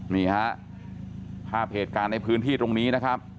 นี่ฮะภาพเหตุการณ์ในพื้นที่ตรงนี้นะครับ